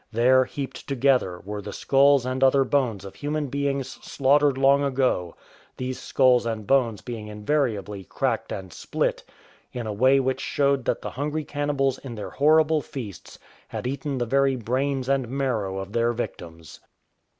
There, heaped together, were the skulls and other bones of human beings slaughtered long ago, these skulls and bones being invariably cracked and split in a way which showed that the hungry cannibals in their horrible feasts had eaten the very brains and marrow of their victims.